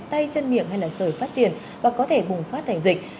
tay chân miệng hay sởi phát triển và có thể bùng phát thành dịch